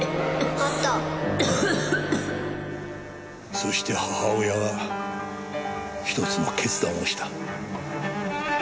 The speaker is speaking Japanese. そして母親は１つの決断をした。